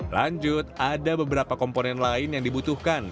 lanjut ada beberapa komponen lain yang dibutuhkan